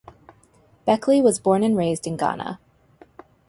Beckley was born and raised in Ghana.